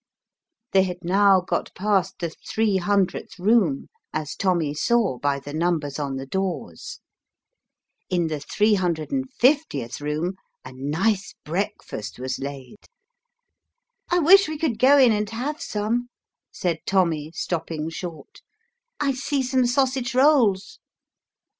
They had now got past the 3Ooth room, as Tommy saw by the numbers on the doors. In the 35oth room a nice breakfast was laid. "I wish we could go in and have some," said Tommy, stopping short :" I see some sausage rolls."